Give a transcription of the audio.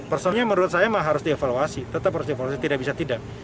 personnya menurut saya harus dievaluasi tetap harus dievaluasi tidak bisa tidak